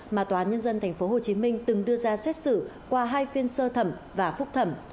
mà tòa án nhân dân tp hcm từng đưa ra xét xử qua hai phiên sơ thẩm và phúc thẩm